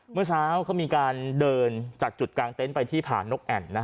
เมื่อเช้าเขามีการเดินจากจุดกลางเต็นต์ไปที่ผ่านนกแอ่น